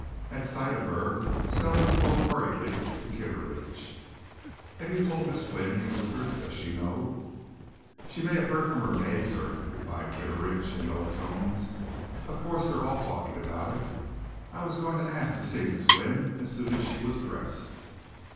At sight of her Selwood spoke hurriedly to Kitteridge. "Have you told Miss Wynne?" he whispered. "Does she know?" "She may have heard from her maid, sir," replied Kitteridge in low tones. "Of course they're all talking of it. I was going to ask to see Miss Wynne as soon as she was dressed."